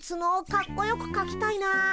かっこよくかきたいな。